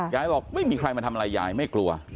ยายบอกไม่มีใครมาทำอะไรยายไม่กลัว